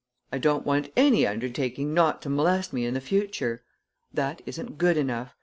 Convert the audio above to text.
I don't want any undertaking not to molest me in the future. That isn't good enough.